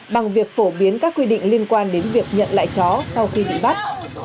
bằng việc phổ biến các quy định liên quan đến việc nhận lại chó sau khi bị bắt